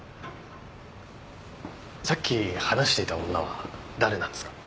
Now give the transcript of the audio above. さっき話していた女は誰なんですか？